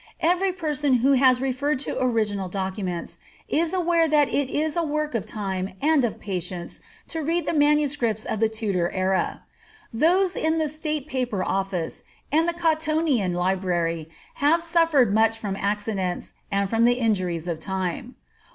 Every person who has referred to original documents, is aware that it is a work of time and of patience to read the MSS. of the Tudor era. Those in the State Paper Office, and in the Cottonian Library, have suffered much from accidents, and from the injuries of time.